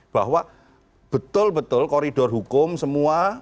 bahwa betul betul koridor hukum semua